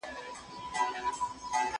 زه کولای شم منډه ووهم!!